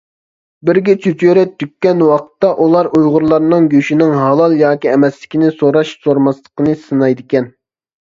بىرگە چۆچۈرە تۈگكەن ۋاقىتتا، ئۇلار ئۇيغۇرلارنىڭ گۆشنىڭ ھالال ياكى ئەمەسلىكىنى سوراش- سورىماسلىقىنى سىنايدىكەن.